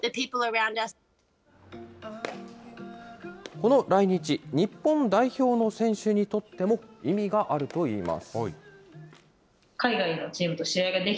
この来日、日本代表の選手にとっても意味があるといいます。